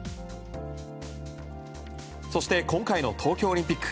そして今回の東京オリンピック。